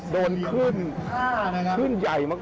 โดนขึ้นขึ้นใหญ่มาก